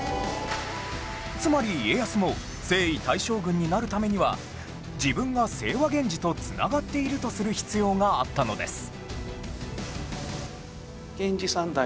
つまり家康も征夷大将軍になるためには自分が清和源氏と繋がっているとする必要があったのです